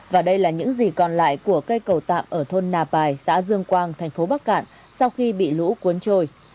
và đây là những gì còn lại của cây cầu tạm ở thôn nà pài xã dương quang thành phố bắc cạn sau khi bị lũ cuốn trôi